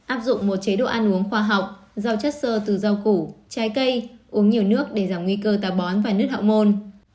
áp dụng một chế độ ăn uống khoa học rau chất sơ từ rau củ trái cây uống nhiều nước để giảm nguy cơ tà bón và nước hạo môn